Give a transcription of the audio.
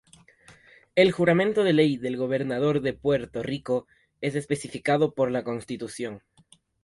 El juramento de Ley del Gobernador de Puerto Rico es especificado por la Constitución.